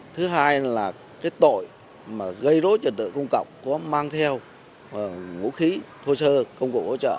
thứ hai là tội gây rối trật tự công cộng có mang theo ngũ khí thô sơ công cụ hỗ trợ